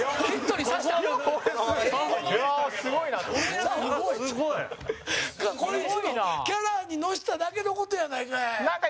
こいつのキャラに乗せただけの事やないかい！